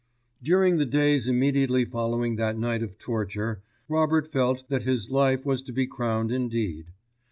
During the days immediately following that night of torture, Robert felt that his life was to be crowned indeed.